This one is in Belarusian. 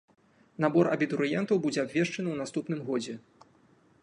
Набор абітурыентаў будзе абвешчаны ў наступным годзе.